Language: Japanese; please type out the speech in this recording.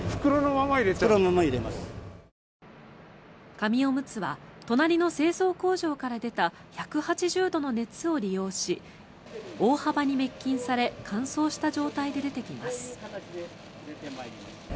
紙おむつは隣の製造工場から出た１８０度の熱を利用し大幅に滅菌され乾燥した状態で出てきます。